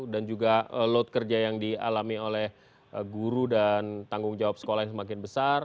dan juga load kerja yang dialami oleh guru dan tanggung jawab sekolah yang semakin besar